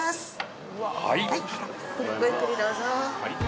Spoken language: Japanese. ごゆっくりどうぞ。